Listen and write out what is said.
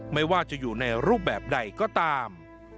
ไม่ว่าจะอยู่ในรูปแบบใดก็ตาม